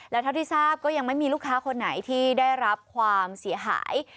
แล้วเท่าที่ทราบก็ยังไม่มีลูกค้าคนไหนที่ได้รับความเสียหาย